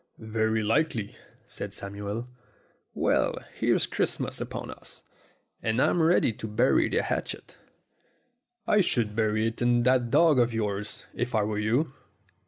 "Very likely," said Samuel. "Well, here's Christmas upon us, and I'm ready to bury the hatchet." "I should bury it in that dog of yours, if I were you."